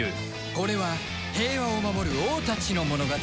これは平和を守る王たちの物語